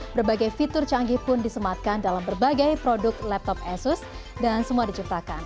berbagai fitur canggih pun disematkan dalam berbagai produk laptop asus dan semua diciptakan